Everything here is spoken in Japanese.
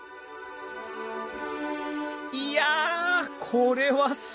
いやこれはすごい。